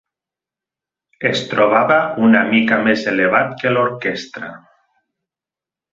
Es trobava una mica més elevat que l'orquestra.